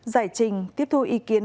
giải trình tiếp thu ý kiến